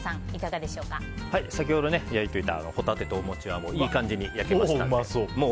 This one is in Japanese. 先ほど焼いておいたホタテとお餅はいい感じに焼けましたので。